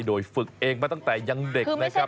โดยฝึกเองมาตั้งแต่ยังเด็กนะครับ